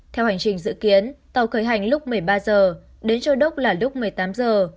theo hành trình dự kiến tàu khởi hành lúc một mươi ba giờ đến châu đốc là lúc một mươi tám giờ